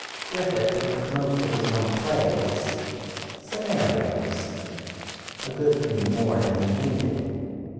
Griffith wrote most of his own plays—scenarios—a good many more than he needed.